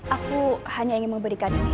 aku hanya ingin memberikan ini